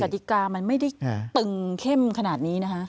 ติกามันไม่ได้ตึงเข้มขนาดนี้นะคะ